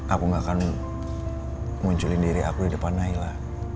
aku gak akan munculin diri aku di depan naila